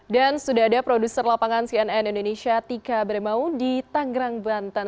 dan sudah ada produser lapangan cnn indonesia tika bremau di tangerang bantan